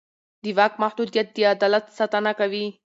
د واک محدودیت د عدالت ساتنه کوي